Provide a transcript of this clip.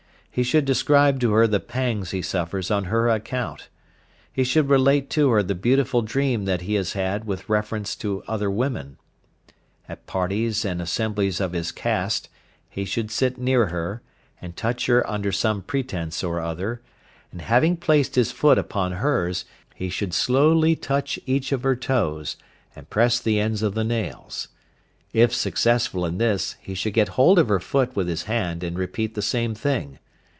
He should describe to her the pangs he suffers on her account. He should relate to her the beautiful dream that he has had with reference to other women. At parties and assemblies of his caste he should sit near her, and touch her under some pretence or other, and having placed his foot upon her's, he should slowly touch each of her toes, and press the ends of the nails; if successful in this, he should get hold of her foot with his hand and repeat the same thing.